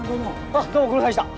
あっどうもご苦労さんでした。